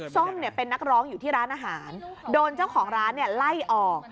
ส้มเป็นนักร้องอยู่ที่ร้านอาหารโดนเจ้าของร้านไล่ออก